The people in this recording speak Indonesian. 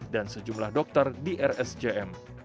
dan sejumlah dokter di rsjm